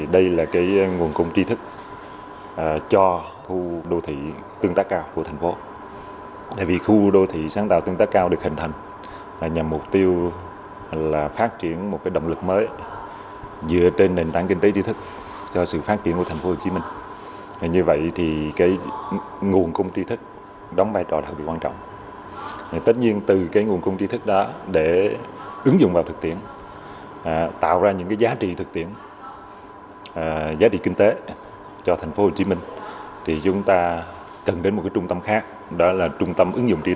đây là nguồn công trí thức cho khu đô thị tương tác cao của tp hcm